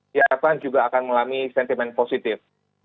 diharapkan juga akan mengalami sentimen positif